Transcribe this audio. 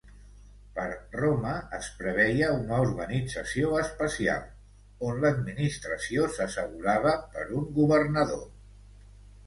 Per Roma es preveia una organització especial, on l'administració s'assegurava per un governador.